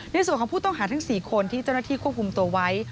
ในส่วนของผู้ต้องหาทั้ง๔คนที่เจ้าหน้าที่ควบคุมตัวไว้